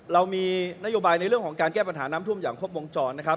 เรามีนโยบายในเรื่องของการแก้ปัญหาน้ำท่วมอย่างครบวงจรนะครับ